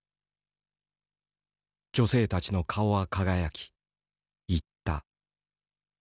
女性たちの顔は輝き言った。